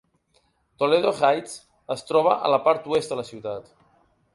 Toledo Heights es troba a la part oest de la ciutat.